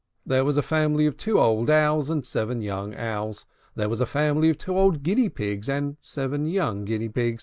There was a family of two old Owls and seven young Owls. There was a family of two old Guinea Pigs and seven young Guinea Pigs.